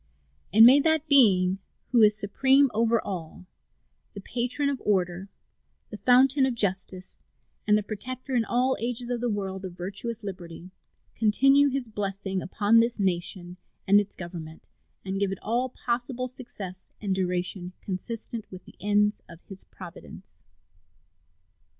And may that Being who is supreme over all, the Patron of Order, the Fountain of Justice, and the Protector in all ages of the world of virtuous liberty, continue His blessing upon this nation and its Government and give it all possible success and duration consistent with the ends of His providence.